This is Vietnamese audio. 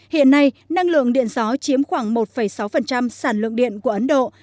hiện nay năng lượng điện gió chiếm khoảng một sáu sản lượng điện của ấn độ